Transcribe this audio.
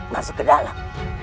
masuk ke dalam